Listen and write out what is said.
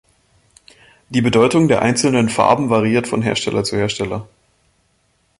Die Bedeutung der einzelnen Farben variiert von Hersteller zu Hersteller.